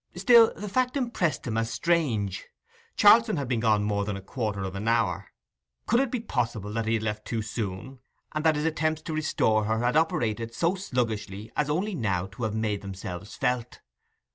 Still the fact impressed him as strange. Charlson had been gone more than a quarter of an hour: could it be possible that he had left too soon, and that his attempts to restore her had operated so sluggishly as only now to have made themselves felt?